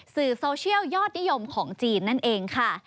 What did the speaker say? สื่อโซเชียลยอดนิยมของจีนนั่นเองค่ะ